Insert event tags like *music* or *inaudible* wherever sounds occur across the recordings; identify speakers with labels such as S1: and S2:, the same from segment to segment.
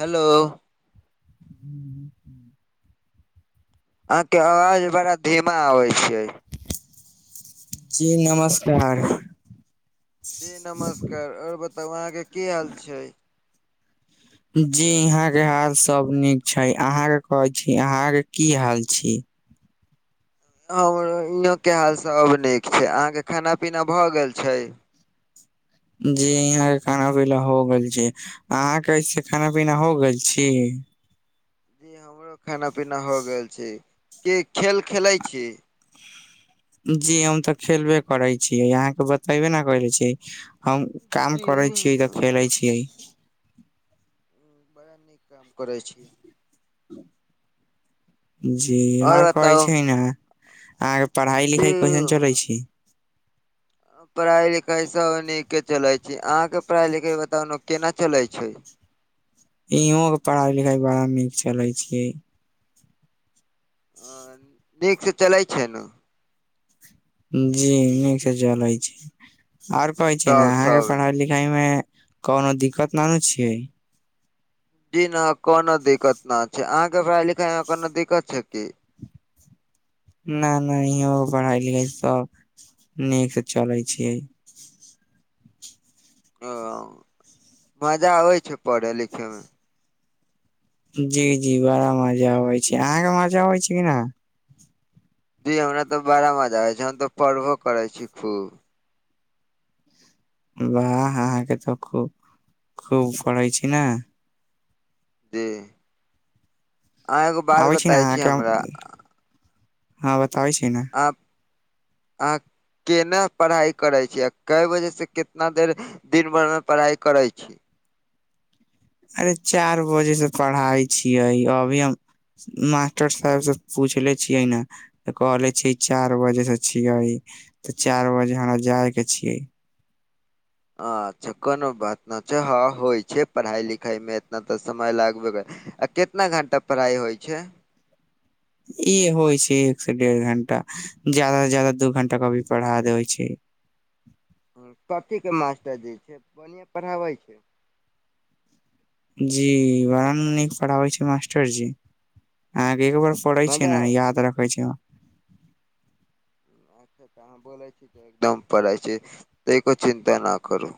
S1: Hello
S2: *inaudible*
S1: अहाँ के आवाज बड़ा धीमा आबै छै।
S2: जी नमस्कार
S1: जी नमस्कार और बताउ अहाँके की हाल छै?
S2: जी इहां के हाल सब नीक छै अहाॅं के कहै छी अहाॅं के की हाल छी?
S1: हमरो इहों के हाल सब नीक छै अहाँके खाना पीना भऽ गेल छै
S2: जी यहाँ के खाना पीना हो गेल छै अहाँके ऐसे खाना पीना हो गेल छी?
S1: जी हमरो खाना पीना हो गेल छै, की खेल खेलै छी?
S2: जी हम तऽ खेलबे करै छी अहाँके बतैबे ना करले छी हम काम
S1: जी
S2: करै छि तऽ खेलै छियै
S1: बड़ा नीक काम करै छी
S2: जी
S1: आओर
S2: आऔर कहै
S1: बताउ
S2: छी ना अहाॅंके पढ़ाई
S1: जी
S2: लिखाई कइसन चलै छै?
S1: पढ़ाई लिखाई सब नीके चलै छै अहाॅं के पढ़ाई लिखाई बताउ ने केना चले छै?
S2: इहों के पढ़ाई लिखाई बड़ा निक चलै छीयै।
S1: अ नीक से चलै छैय नु
S2: जी नीक से चले छैय आऔर कहै छी ना
S1: तब
S2: अहाँ के
S1: सब
S2: पढ़ाई लिख आ में कोनो दिक्कत ना नु छियै
S1: जी ना कोनो दिक्कत ना छैय अहाँ के पढ़ाई लिखाई मे कोनो दिक्कत छैय की?
S2: ना ना इहों पढ़ाई लिखाई सब नीक से चले छियै।
S1: ओ मजा आबै छै पढ़े लिखे मे?
S2: जी जी बड़ा मजा अबै छै अहाँके मजा अबै छैय कि ना
S1: जी हमरा तऽ बड़ा मजा आबै छैय हम तो पढ़बो करै छी खूब।
S2: वाह अहाँके तऽ खूब खूब पढ़ै छी ना
S1: जी अहाँ एगो बात
S2: आबै
S1: बताए छी हमरा
S2: हाँ बताबै छी ने
S1: आप अहा केना पढ़ाई करे छी आ कए बजे से केतना देर दिन भर मे पढ़ाई करै छी?
S2: अरे चारि बजेसँ पढ़ाइ छियै अभी हम मास्टर साहेबसे पुछले छियै न तऽ कहले छीयै चार बजे से छियै तऽ चार बजे हमरा जाय के छियै।
S1: अच्छा कोनो बात न छैय हाँ होइ छैय पढ़ाई लिखाई मे एतना तऽ समय लागबे करत आ केतना घंटा पढाई होइ छैय?
S2: ई होइ छैय एक से डेढ़ घंटा ज्यादा से ज्यादा दू घंटा कभी पढ़ा देबइ छैय।
S1: कथीके मास्टरजी छै, बढ़िआँ पढ़ाबै छैय?
S2: जी बरा नीक पढ़ाबै छैय मास्टरजी अहाॅंके एक बार स पढ़ै छी
S1: मजा
S2: ना याद रखै छिय।
S1: अहाँ बोले छी त एकदम पढ़इ छी तनिको चिन्ता ना करू।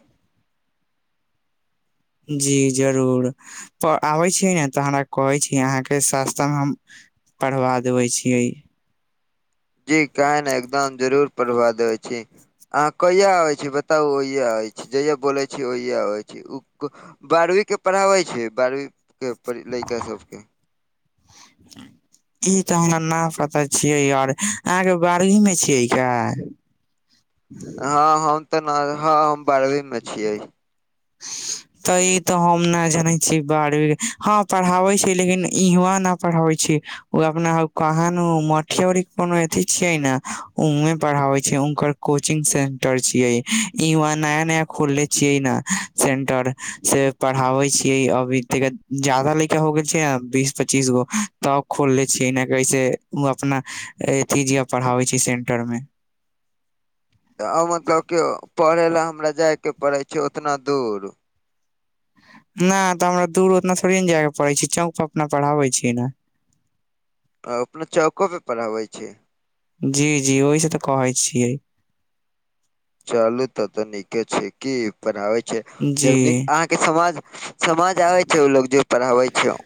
S2: जी जरूर प आबै छीय ने तऽ हमरा कहै छीय अहाँके सस्तामे हम पढ़बा देबे छियै।
S1: जी काहे न एकदम जरूर पढ़वा देबे छी अहाँ कहिया आबै छी बताउ ओहिया आबै छी जहिया बोलै छी ओहिए आबै छी उ कु बारहवीं के पढ़ाबै छैय बारहवीं के लइका सबके? *inaudible*
S2: ई तऽ हमरा ना पता छियै यार अहाँके बारहवीं में छियै क? *inaudible*
S1: हाँ हम तऽ न हाँ हम बारहवीं में छियै।
S2: तऽ ई तऽ हम ना जानै छीयै बारहवीं के हाँ पढ़ाबै छै लेकिन इहवां न पढ़ाबै छै। ओ अपना ऊ कहानु *unintelligible* कोनो एथी छियै ने उहें पढ़ाबै छै उनकर कोचिंग सेंटर छियै इहवां नया नया खोलले छियै न सेंटर से पढ़ाबै छियै अभी तनिका ज्यादा लड़का हो गेल छैय ने बीस पच्चीस गो तब खोलले छियैऐ ना कि ऐसे ओ अपना एथी जिया पढ़ाबै छियै सेंटर मे
S1: तऽ अ मतलब के पढ़य लए हमरा जाय के पड़ै छैय ओतना दूर
S2: ना तऽ हमरा दूर उतना थोड़े ने जाय के पड़े छैय चौक पर अपना पढ़ाबे छीयै ना।
S1: को अपना चौको पे पढ़ाबै छैय?
S2: जी जी ओहि से तऽ कहै छियै।
S1: चलू तब तऽ नीके छैय की पढाबै छैय जब नीक
S2: जी
S1: अहाँके समझ समझ आबै छैय ऊ लोग जे पढ़ाबै छै?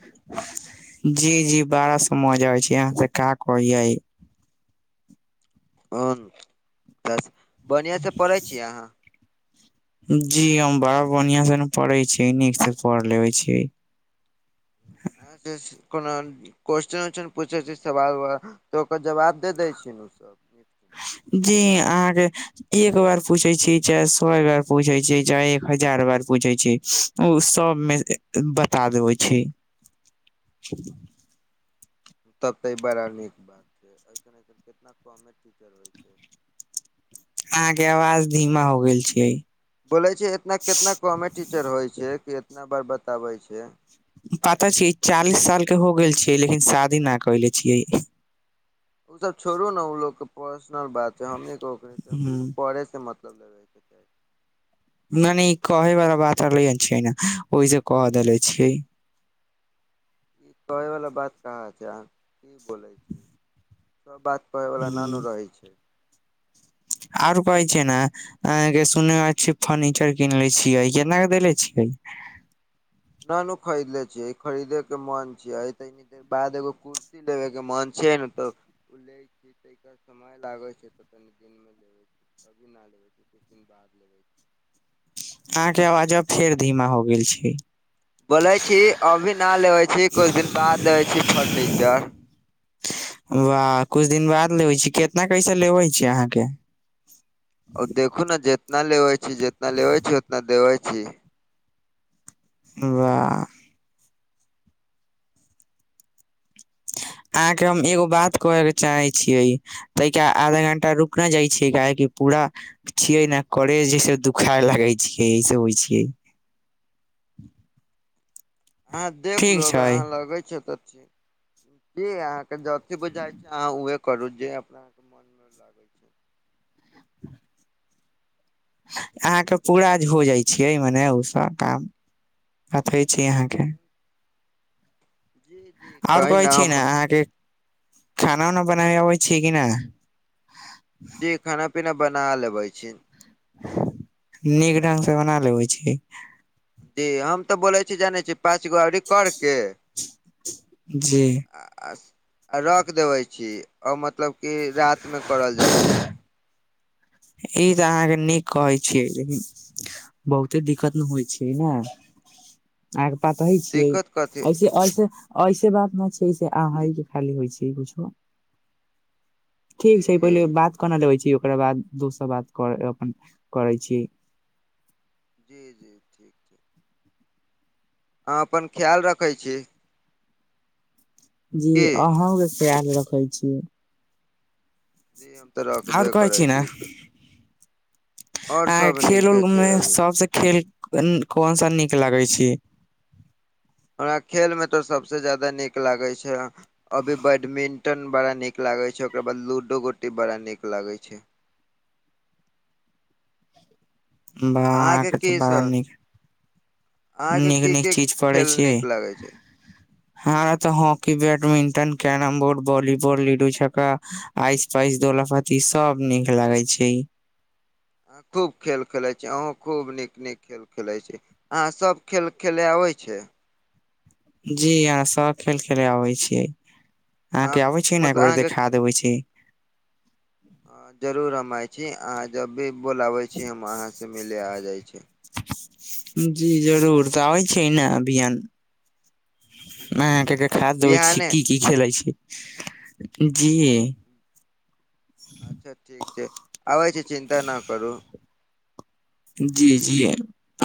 S2: जी जी बाडा समझ आबै छैय अहाँ से का कहियै
S1: ह त बढ़िआँ से पढ़ै छीयै अहाँ?
S2: जी हम बड़ा बढ़िया से न पढ़े छीयै नीक से पढ़ लेबे छीयै।
S1: *unintelligible* क्वेश्चन उस्चन पूछै छैय सवाल उवाल तऽ ओकर जवाब दे दै छी नु
S2: जी अहाँके एक बार पूछै छैय चाहे सए बार पूछै छैय चाहे एक हजार बार पूछै छैय ओ सब मे ए ए बता देबे छैय।
S1: *inaudible*
S2: *inaudible*
S1: तब तऽ ई बड़ा नीक बात छैय ऐसन ऐसन कितना कमे टीचर होय छैय।
S2: अहाँके आवाज धीमा हो गैल छियै।
S1: बोलै छैय इतना केतना कमे टीचर होय छैय कि इतना बार बताबै छैय।
S2: पता छीयै चालीस साल के हो गेल छियै लेकिन शादी ना कयले छियै
S1: ओ सब छोड़ू ना उ लोग के पर्सनल बात छैय हमनी
S2: ह
S1: के *inaudible* पढ़े से मत लब रहेके चाही
S2: नहि नहि ई कहे बला बात चलै छैय ने ओहि से कह देले छीयै।
S1: ई कहैवला बात कहाँ छऽ की बोलै छी सब बात कहैवला ना
S2: ह
S1: नु रहै छैय।
S2: आओर कहै छैय ना अहाँ के सुने में आयल छै फर्नीचर कीनले छियै केना के देले छियै?
S1: ना नू खरीदले छियै खरीदे के मन छियै अइ ले कि बाद एगो कुर्सी लेबे के मन छीयै न त *inaudible* समय लागे छैय त कनि दिन मे लेेबै अभी ना लेेबै किछु दिन बाद लेबै
S2: अहाँके आवाज अब फेर धीमा हो गेल छैय।
S1: बोलय छी अभी ना लेबै छी कुछ दिन बाद लेबै छी फर्नीचर
S2: वाह कुछ दिन बाद लेबै छी कितना कैसे लेबै छियै अहाँके?
S1: ओ देखू ने जेतना लेबै छी, जितना लेबै छी उतना देबै छी।
S2: वाह। अहाँके हम एगो बात कहैके चाहै छियै। तहिके आधा घंटा रुक न जाइ छियै काहेकी पूरा छियै ने करेज ऐसे दुखाय लागै छियै ऐसे होय छियै।
S1: *inaudible* अहाँ देख लु
S2: ठीक
S1: अगर
S2: छै
S1: अहाँ लग अछि अथि, दे आब। जे अथि बुझायत अहाँ उहे करू जे अपनाक मोन मे लागै छै।
S2: अहाँके पूरा आज हो जाय छियै मने ओसभ काम। हफै छी अहाँके।
S1: जे जे
S2: और
S1: कही
S2: कहै
S1: न
S2: छी ने
S1: हम
S2: अहाँके खाना उना बनाबे अबै छियै कि नै
S1: जी खाना पीना बना लेबै छी।
S2: नीक ढंग से बना लेबै छी?
S1: जी हम त बोलै छी जानय छी पाँच गो औरी कर के
S2: जी।
S1: आ आ रख देबै छी ओ मतलब कि रातमे करल जाय छैय।
S2: ई त अहाँके नीक कहय छियै। बहुते दिकत ने होय छैय ने। अहांके पताहे छियै
S1: दिक्कत कथी
S2: ऐसे ऐसे ऐसे बात न छै से अहाँ आर के खाली होय छैय कुछो।
S1: जी
S2: ठीक छैय पहिले
S1: जी
S2: बात क ने लेबै छी ओकर बाद दोसर बात कर अपन करै छी।
S1: जी जी ठीक ठीक। अहाँ अपन ख्याल रखै छी?
S2: जी
S1: की
S2: अहूँ ले खयाल रखै छी।
S1: जी हम तऽ
S2: और
S1: रखबे
S2: कहै
S1: करै
S2: छी ने
S1: आओर
S2: अहाँके
S1: सब
S2: खेल उल
S1: नीके छै
S2: मे
S1: अभी
S2: सबसे खेल कोन सा नीक लागय छी?
S1: हमरा खेल मे त सबसे ज्यादा नीक लागै छै अभी बैडमिंटन बड़ा नीक लागै छै ओकरा बाद लूडो गोटी बड़ा नीक लागै छै।
S2: वाह
S1: अहाँ के
S2: अहांके
S1: की
S2: त बड़ा
S1: सब
S2: नीक
S1: अहाँ के
S2: नीक
S1: की
S2: नीक
S1: की
S2: चीज पढ़ै
S1: खेल
S2: छै।
S1: नीक लागे छै
S2: हँ
S1: जी
S2: त hockey, badminton, carrom board volleyball, ludo छ्का आइस पाइस दोलापत्ती सब नीक लागे छै।
S1: खूब खेल खेलइ छी, अहूँ खूब नीक नीक खेल खेलइ छी। अहाँ सब खेल खेलै आबै छै?
S2: जी अहाँ सब खेल खेलै आबे छै अहाँ के आबइ छै ने एक
S1: मतलब
S2: बेर
S1: अहाँके
S2: देखा देबै छी।
S1: हँ जरूर हम आइ छी अहाँ जब भी बोलाबै छी हम अहाँसँ मिले आ जाइ छी।
S2: जी जरूर त आबै छी ने अभियान मे अहाँके के देखा देबै छीेऔ
S1: बिहाने
S2: की की खेलै छी जी
S1: अच्छा ठीक छै आबै छी चिन्ता ना करू।
S2: जी जी।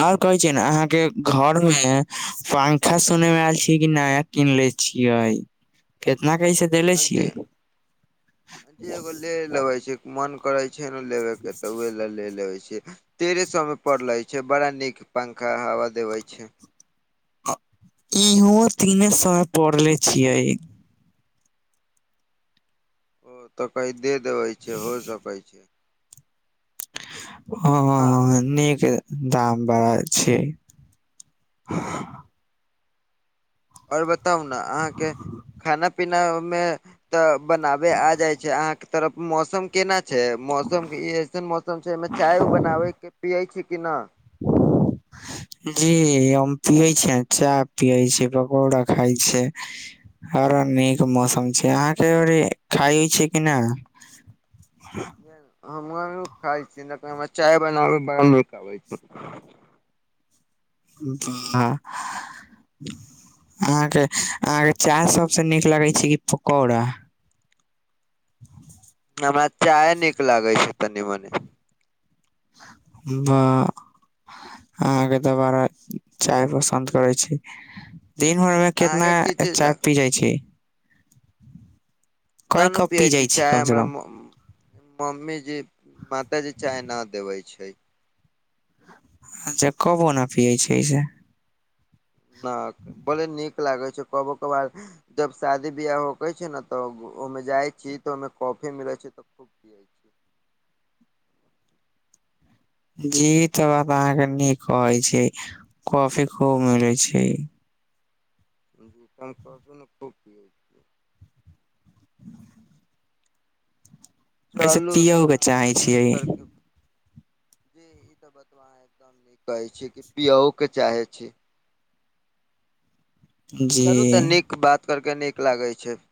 S2: और कहै छी ने अहाँके घर मे पंखा किनने मे आयल छी कि नै नया कीनले छियै केतना कैसे देले छियै
S1: जी एगो ले लेबै छै मन करै छै ने लेबेके तऽ ओे लए ले लेबै छियै तेरह सौ में पड़लै छै बड़ा नीक पंखा हवा देबै छै।
S2: इहों तीने सौ में परले छियै।
S1: ओ तऽ कै दे देबै छै हो सकै छै।
S2: हँ हँ
S1: आ
S2: हँ हॅं निक ए दाम बडा छै
S1: आओर बताउ न अहाँके खाना पीना मे तऽ बनाबे आ जाय छै अहाँके तरफ मौसम केना छै मौसम एऐसन मौसम छै अइ में चाय उइ बनाबे के पिये छै कि न? *inaudible*
S2: जी हम पियै छीयैं चाह पियै छी पकौड़ा खाय छै बड़ा नीक मौसम छै अहाँके ओरी खाइ छी कि ना?
S1: हम न नु खाइ छी नहि त ऽ हमरा चाय बनाबै बड़ा नीक आबै छै।
S2: हँ अहाँके अहाँके चाह सबसे नीक लगै छै कि पकौड़ा? ह *inaudible*
S1: हमरा चाय नीक लागै छै तनी मनी
S2: बां अहाँके तऽ बारा चाय पसन्द करै छी दिन भर मे केतना
S1: अहाँके की चीज
S2: चाय
S1: लाग
S2: पी जाइ छीयै?
S1: न नु
S2: कप पी
S1: पियै छी
S2: जाइ
S1: चाय
S2: कम से
S1: हमरा
S2: कम
S1: मो मम्मी जी माता जी चाय न देबै छै।
S2: अच्छा कबो न पियै छियै से
S1: न बडे नीक लागै छै कबो कबार जब शादी बियाह होके छै ने तऽ ओमे जाइ छी तऽ ओहिमे कॉफी मिलै छै तऽ *unintelligible*
S2: जी ई तऽ बात अहाँके नीक कहै छै कॉफी खूब मिलै छै।
S1: दोकान *unintelligible* ने खुब पिबै
S2: एहिस
S1: चलू
S2: पियौ
S1: तऽ
S2: के
S1: अहाँसँ
S2: चाहै
S1: बात
S2: छियै
S1: करके जी ई तऽ बतबा अहाँ एकदम नीक कहे छी कि पियओ के चाहे छी चलू तऽ
S2: जे
S1: नीक बात करके नीक लागै छै।